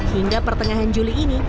hingga pertengahan juli ini